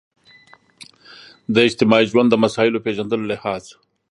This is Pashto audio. د اجتماعي ژوند د مسایلو پېژندلو لحاظ.